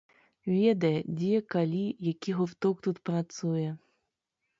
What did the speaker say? Ведае, дзе, калі, які гурток тут працуе.